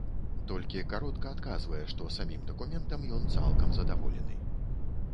Толькі каротка адказвае, што самім дакументам ён цалкам задаволены.